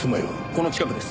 この近くです。